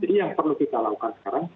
jadi yang perlu kita lakukan sekarang